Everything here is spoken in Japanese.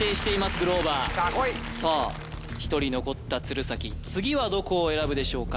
グローバーさあ来いさあ１人残った鶴崎次はどこを選ぶでしょうか？